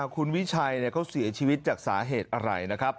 คุณวิชัยเขาเสียชีวิตจากสาเหตุอะไรนะครับ